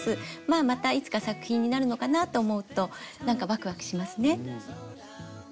まあまたいつか作品になるのかなぁと思うとなんかワクワクしますね。